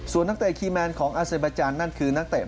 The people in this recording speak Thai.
ส่วนนักเตะของอาเสเบจันนั้นคือนักเตะ